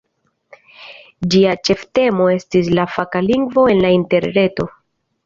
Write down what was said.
Ĝia ĉeftemo estis "La faka lingvo en la interreto".